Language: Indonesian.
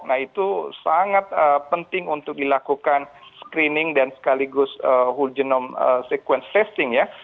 nah itu sangat penting untuk dilakukan screening dan sekaligus whole genome sequence testing ya